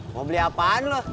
mau beli apaan lo